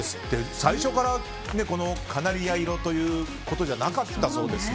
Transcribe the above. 最初からカナリア色ということじゃなかったそうですね。